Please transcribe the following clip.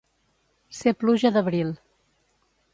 Ser pluja d'abril.